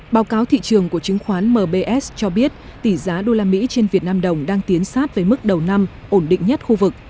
báo cáo thị trường của chứng khoán mbs cho biết tỷ giá đô la mỹ trên việt nam đồng đang tiến sát với mức đầu năm ổn định nhất khu vực